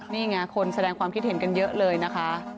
นี่ไงคนแสดงความคิดเห็นกันเยอะเลยนะคะ